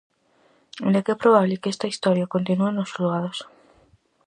Aínda que é probable que esta historia continúe nos xulgados.